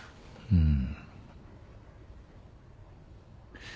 うん。